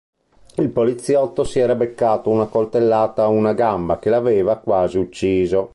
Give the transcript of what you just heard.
Il poliziotto si era beccato una coltellata a una gamba che l'aveva quasi ucciso.